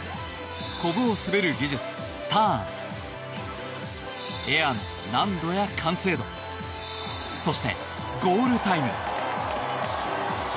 コブを滑る技術、ターンエアの難度や完成度そして、ゴールタイム。